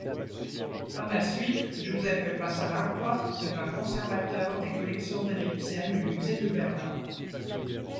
Par la suite, Giuseppe Passalacqua devint conservateur des collections égyptiennes du musée de Berlin.